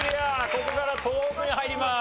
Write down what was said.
ここから東北に入ります。